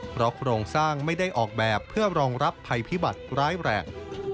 เพราะโครงสร้างไม่ได้ออกแบบเพื่อรองรับภัยพิบัติร้ายแรง